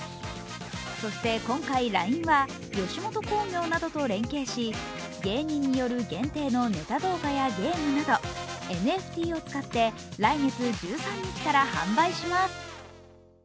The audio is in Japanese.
そして今回、ＬＩＮＥは吉本興業などと連携し芸人による限定のネタ動画やゲームなどＮＦＴを使って、来月１３日から販売します。